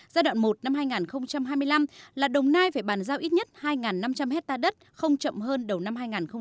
giai đoạn một năm hai nghìn hai mươi năm là đồng nai phải bàn giao ít nhất hai năm trăm linh hectare đất không chậm hơn đầu năm hai nghìn hai mươi